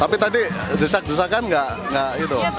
tapi tadi desak desakan nggak itu